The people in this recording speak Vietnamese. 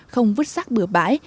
không vứt rác bửa bãi